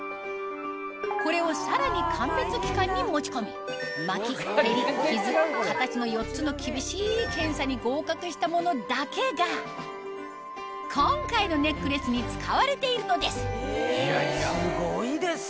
これをさらに鑑別機関に持ち込みまきてりキズ形の４つの厳しい検査に合格したものだけが今回のネックレスに使われているのですすごいですね！